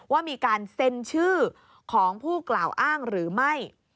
ว่ามีการเซ็นชื่อของผู้กล่าวอ้างหรือไม่